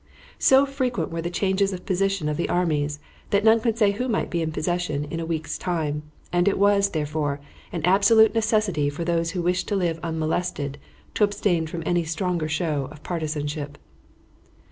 So frequent were the changes of the position of the armies that none could say who might be in possession in a week's time, and it was, therefore, an absolute necessity for those who wished to live unmolested to abstain from any stronger show of partisanship.